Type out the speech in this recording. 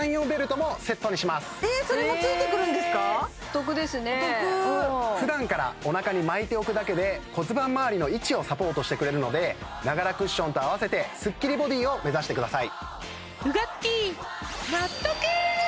それも付いてくるんですかお得ですねふだんからおなかに巻いておくだけで骨盤周りの位置をサポートしてくれるのでながらクッションと合わせてスッキリボディーを目指してください